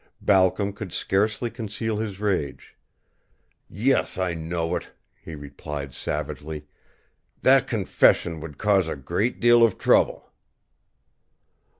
Balcom could scarcely conceal his rage. "Yes, I know it," he replied, savagely. "That confession would cause a great deal of trouble."